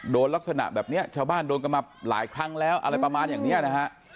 ลักษณะแบบนี้ชาวบ้านโดนกันมาหลายครั้งแล้วอะไรประมาณอย่างนี้นะฮะ